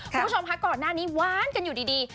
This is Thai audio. คุณผู้ชมค่ะก่อนหน้านี้ว้านกันอยู่ดี